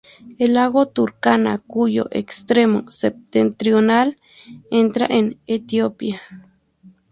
El lago Turkana, cuyo extremo septentrional entra en Etiopía.